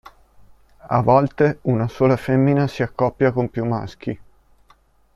A volte una sola femmina si accoppia con più maschi.